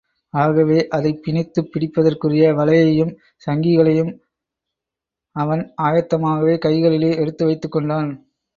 ஆகவே, அதைப் பிணித்துப் பிடிப்பதற்குரிய வலையையும், சங்கிகளையும் அவன் ஆயத்தமாகக் கைகளிலே எடுத்து வைத்துக்கொண்டான்.